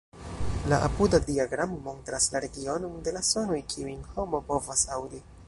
La apuda diagramo montras la regionon de la sonoj, kiujn homo povas aŭdi.